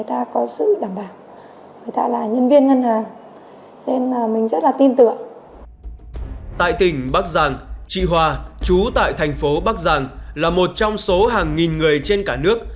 tại tỉnh bắc giang chị hoa chú tại thành phố bắc giang là một trong số hàng nghìn người trên cả nước